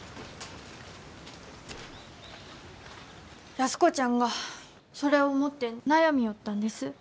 安子ちゃんがそれを持って悩みょうったんです。